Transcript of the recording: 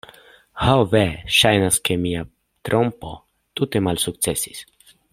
Ho ve, ŝajnas ke mia trompo tute malsukcesis.